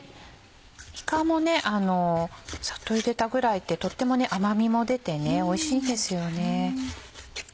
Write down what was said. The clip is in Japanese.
いかもサッとゆでたぐらいってとっても甘みも出ておいしいんですよね。